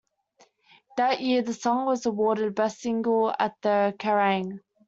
That year the song was awarded Best Single at the Kerrang!